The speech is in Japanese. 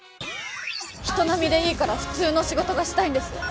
人並みでいいから普通の仕事がしたいんです